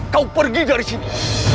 kau pergi dari sini